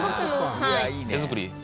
「手作り？」